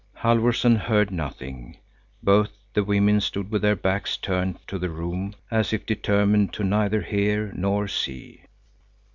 Halfvorson heard nothing. Both the women stood with their backs turned to the room, as if determined to neither hear nor see.